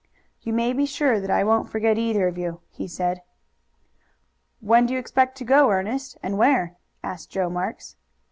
"You may be sure that I won't forget either of you," he said. "When do you expect to go, Ernest, and where?" asked Joe Marks.